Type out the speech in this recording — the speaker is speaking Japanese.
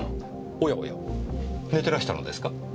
おやおや寝てらしたのですか？